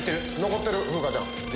残ってる風花ちゃん。